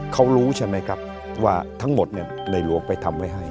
เขารู้ใช่ไหมครับว่าทั้งหมดในหลวงไปทำไว้ให้